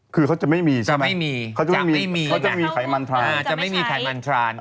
คือเขาจะไม่มีใช่ไหมจะไม่มีนะจะไม่มีไขมันทราน